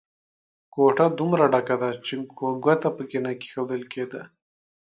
کوټه دومره ډکه ده چې ګوته په کې نه کېښول کېده.